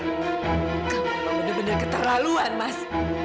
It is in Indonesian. benar benar keterlaluan mas